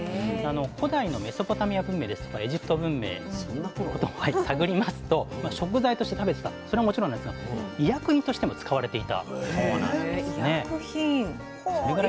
古代のメソポタミア文明ですとかエジプト文明探りますと食材として食べてたそれはもちろんなんですが医薬品としても使われていたそうなんですね。へ医薬品。